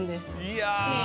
いや。